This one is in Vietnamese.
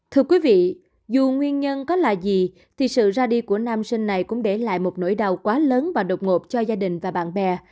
thưa quý vị dù nguyên nhân có là gì thì sự ra đi của nam sinh này cũng để lại một nỗi đau quá lớn và độc ngột cho gia đình và bạn bè